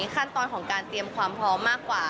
ขั้นตอนของการเตรียมความพร้อมมากกว่า